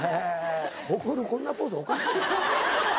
怒るこんなポーズおかしい。